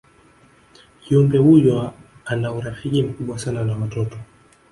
kiumbe huyo ana urafiki mkubwa sana na watoto